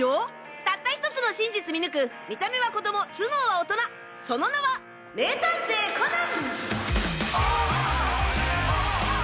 たった１つの真実見抜く見た目は子供頭脳は大人その名は名探偵コナン！